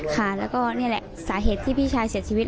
ค่ะแล้วก็นี่แหละสาเหตุที่พี่ชายเสียชีวิต